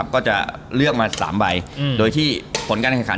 ก็จะเลือกมา๓ใบโดยที่ผลการแข่งขัน